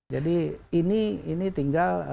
jadi ini tinggal